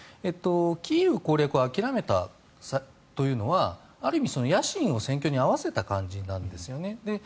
キーウ攻略を諦めたというのはある意味、野心を戦況に合わせた感じなんですよね。